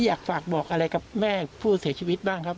อยากฝากบอกอะไรกับแม่ผู้เสียชีวิตบ้างครับ